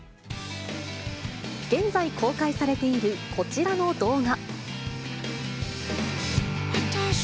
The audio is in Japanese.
現在公開されている、こちらの動画。